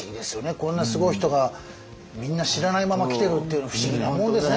こんなすごい人がみんな知らないまま来てるっていうの不思議なもんですね